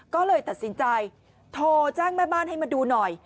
ก็เลยตัดสินใจโทรแจ้งแม่บ้านให้มาดูหน่อย